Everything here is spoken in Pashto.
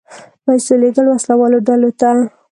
پیسو لېږل وسله والو ډلو ته.